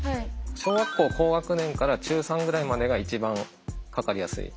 小学校高学年から中３ぐらいまでが一番かかりやすい。